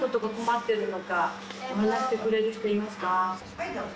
はいどうぞ。